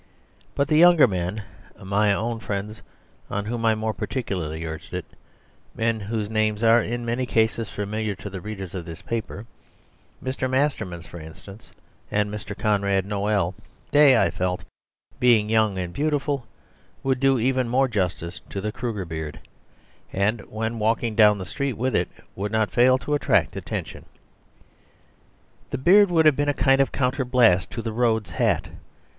But the younger men, my own friends, on whom I more particularly urged it, men whose names are in many cases familiar to the readers of this paper Mr. Masterman's for instance, and Mr. Conrad Noel they, I felt, being young and beautiful, would do even more justice to the Kruger beard, and when walking down the street with it could not fail to attract attention. The beard would have been a kind of counterblast to the Rhodes hat.